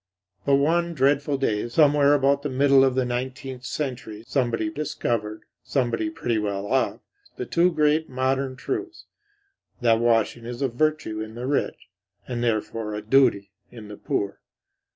But one dreadful day, somewhere about the middle of the nineteenth century, somebody discovered (somebody pretty well off) the two great modern truths, that washing is a virtue in the rich and therefore a duty in the poor.